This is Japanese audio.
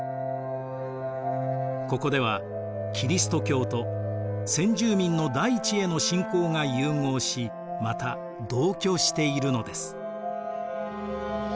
ここではキリスト教と先住民の大地への信仰が融合しまた同居しているのです。